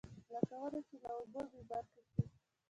لکه ونه چې له اوبو بېبرخې شي.